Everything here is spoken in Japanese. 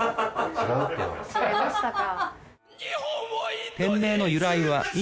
違いましたか。